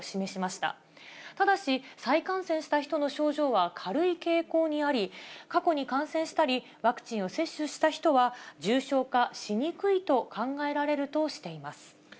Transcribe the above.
ただし、再感染した人の症状は軽い傾向にあり、過去に感染したり、ワクチンを接種した人は重症化しにくいと考えられるとしています。